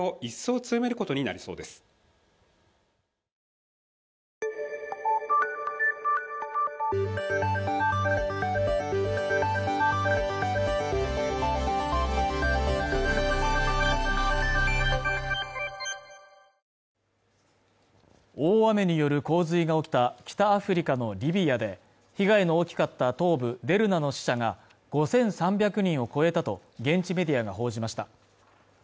プーチン大統領は宇宙基地を訪問すると明らかにしていて大雨による洪水が起きた北アフリカのリビアで被害の大きかった東部デルナの死者が５３００人を超えたと現地メディアが報じました